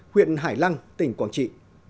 huyện hải lăng tỉnh quảng trị